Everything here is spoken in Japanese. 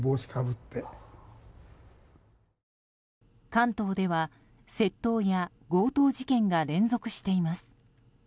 関東では窃盗や強盗事件が連続しています。